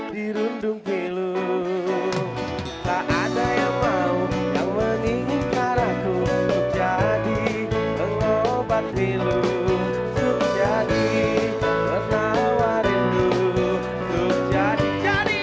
dirundung ke lu tak ada yang mau yang menginginkan aku jadi mengobati lu jadi menawarin lu jadi jadi